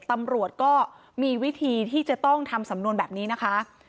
ตำรวจก็มีวิธีที่จะต้องทำสำนวนแบบนี้นะคะ